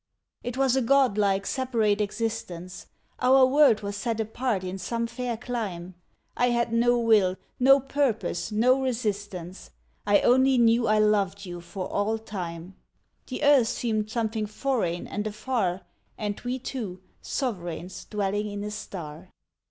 It was a godlike separate existence; Our world was set apart in some fair clime. I had no will, no purpose, no resistance; I only knew I loved you for all time. The earth seemed something foreign and afar, And we two, sovereigns dwelling in a star!